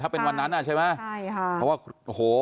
ถ้าเป็นวันนั้นใช่ไหมเพราะว่าโอ้โฮ